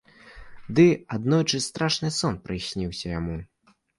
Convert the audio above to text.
Ды аднойчы страшны сон прысніўся яму.